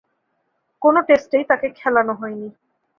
কোন টেস্টেই তাকে খেলানো হয়নি।